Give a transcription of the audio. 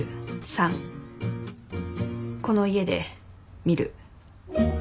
３この家で見る。